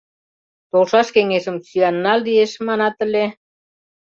Толшаш кеҥежым сӱанна лиеш, манат ыле...